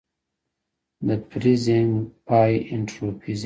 د فریزینګ پای انټروپي زیاتوي.